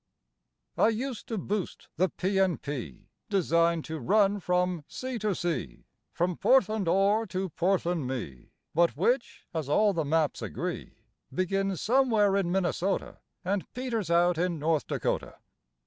I used to boost the P. and P., Designed to run from sea to sea, From Portland, Ore., to Portland, Me., But which, as all the maps agree, Begins somewhere in Minnesota And peters out in North Dakota.